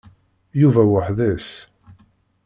Yuba weḥd-s.